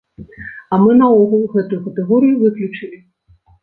А мы наогул гэтую катэгорыю выключылі!